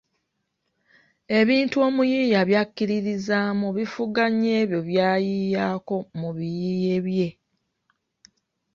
Ebintu omuyiiya by’akkiririzaamu bifuga nnyo ebyo by’ayiiyaako mu biyiiye bye.